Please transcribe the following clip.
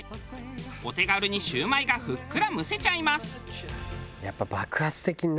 お手軽にシュウマイがふっくら蒸せちゃいます。